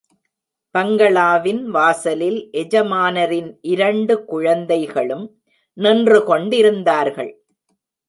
பங்களாவின் வாசலில் எஜமானரின் இரண்டு குழந்தைகளும் நின்றுகொண்டிருந்தார்கள்.